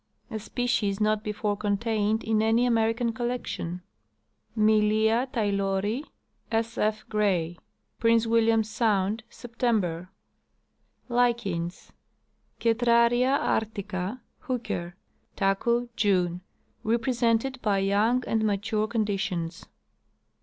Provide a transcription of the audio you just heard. A species not before contained in any American collection. 3Iylia taylori, S. F. Gray. Prince William sound, September. (160) The cryptogamous Flora. 161 Lichens. Cetraria artica, Hook. Taku, June. Represented by young and mature conditions.